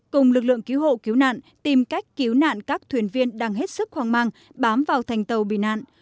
cùng lực lượng cứu hộ cứu nạn tìm cách cứu nạn các thuyền viên đang hết sức hoang mang bám vào thành tàu bị nạn